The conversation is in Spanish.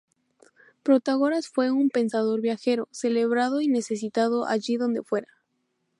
Protágoras fue un pensador viajero, celebrado y necesitado allí donde fuera.